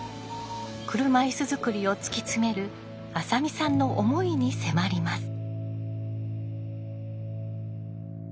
車いす作りを突き詰める浅見さんの思いに迫ります。